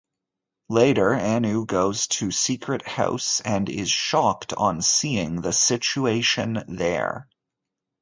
Later Anu goes to secret house and is shocked on seeing the situation there.